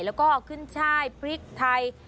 แล้วก็ขึ้นช่ายพริกไทย